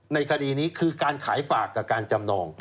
ในคดีนี้คือการขายฝากกับการจำนอง